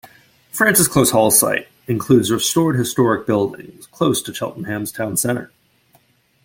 Francis Close Hall site includes restored historic buildings close to Cheltenham's town centre.